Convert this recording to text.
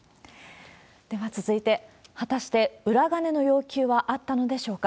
では続いて、果たして裏金の要求はあったのでしょうか。